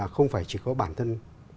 không phải chỉ có bản thân